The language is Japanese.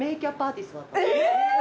え！？